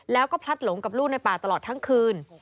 แล้วก็พลัดหลงกับลูกในป่าตลอดทั้งคืน